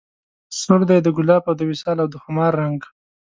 سور دی د ګلاب او د وصال او د خمار رنګ